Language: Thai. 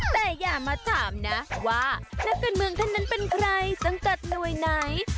แต่อย่ามาถามนะว่านักการเมืองท่านนั้นเป็นใครสังกัดหน่วยไหน